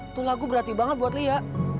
itu lagu berarti banget buat lia